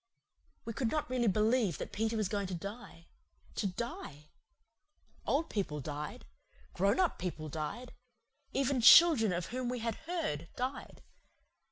We could not really believe that Peter was going to die to DIE. Old people died. Grown up people died. Even children of whom we had heard died.